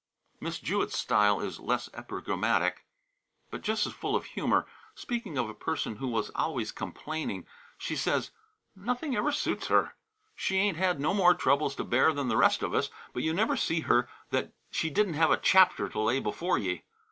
Miss Jewett's style is less epigrammatic, but just as full of humor. Speaking of a person who was always complaining, she says: "Nothing ever suits her. She ain't had no more troubles to bear than the rest of us; but you never see her that she didn't have a chapter to lay before ye.